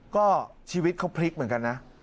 ก็ชีวิตเขาพลิกเหมือนกันนะ